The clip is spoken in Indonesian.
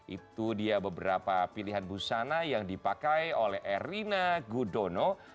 itu dia beberapa pilihan busana yang dipakai oleh erina gudono